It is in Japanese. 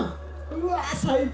うわ最高！